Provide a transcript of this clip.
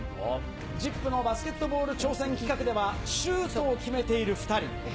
ＺＩＰ！のバスケットボール挑戦企画では、シュートを決めている２人。